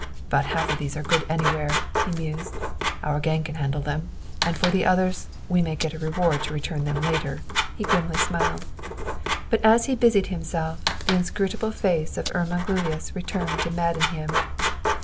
"About half of these are good anywhere," he mused. "Our gang can handle them; and for the others, we may get a reward to return them later," he grimly smiled. But as he busied himself, the inscrutable face of Irma Gluyas returned to madden him.